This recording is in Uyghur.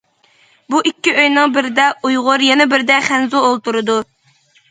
بۇ ئىككى ئۆينىڭ بىرىدە ئۇيغۇر، يەنە بىرىدە خەنزۇ ئولتۇرىدۇ.